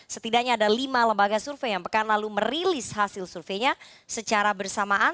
setidaknya ada lima lembaga survei yang pekan lalu merilis hasil surveinya secara bersamaan